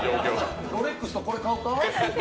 ロレックスとこれ買うか？